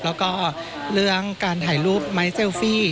แล้วก็เรื่องการถ่ายรูปไม้เซลฟี่